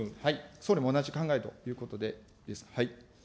総理も同じ考えということですか。